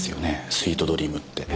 スイートドリームって。